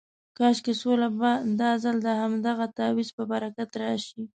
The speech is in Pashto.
کاشکې سوله به دا ځل د همدغه تعویض په برکت راشي.